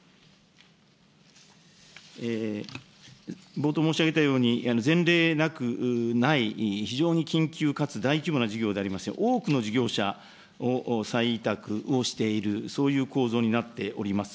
冒頭申し上げたように、前例ない、非常に緊急かつ大規模な事業でありまして、多くの事業者を再委託をしている、そういう構造になっております。